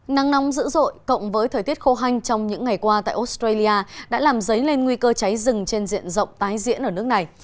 nắng nóng dữ dội cộng với thời tiết khô hanh trong những ngày qua tại australia đã làm dấy lên nguy cơ cháy rừng trên diện rộng tái diễn ở nước này